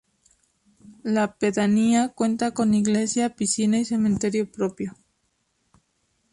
La pedanía cuenta con iglesia, piscina y cementerio propio.